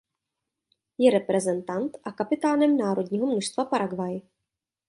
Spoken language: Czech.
Je reprezentant a kapitánem národního mužstva Paraguay.